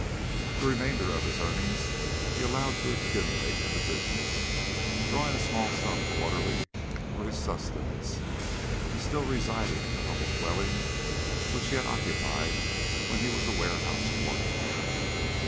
The remainder of his earnings he allowed to accumulate in the business, drawing a small sum quarterly for his sustenance, and still residing in the humble dwelling which he had occupied when he was a warehouse porter.